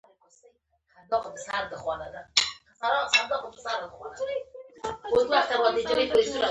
طلا د افغان کلتور سره تړاو لري.